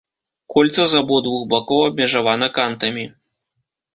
Кольца з абодвух бакоў абмежавана кантамі.